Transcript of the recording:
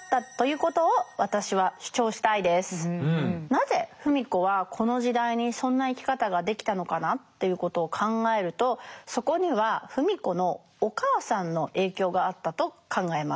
なぜ芙美子はこの時代にそんな生き方ができたのかなということを考えるとそこには芙美子のお母さんの影響があったと考えます。